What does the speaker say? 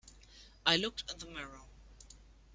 I looked in the mirror.